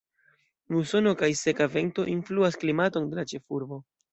Musono kaj seka vento influas klimaton de la ĉefurbo.